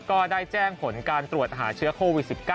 ก็ได้แจ้งผลการตรวจหาเชื้อโควิด๑๙